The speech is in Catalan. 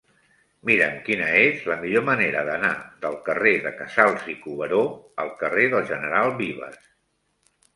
Mira'm quina és la millor manera d'anar del carrer de Casals i Cuberó al carrer del General Vives.